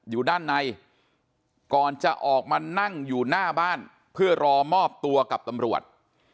อยู่ด้านในก่อนจะออกมานั่งอยู่หน้าบ้านเพื่อรอมอบตัวกับตำรวจ